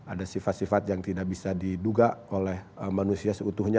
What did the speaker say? ada sifat sifat yang tidak bisa diduga oleh manusia seutuhnya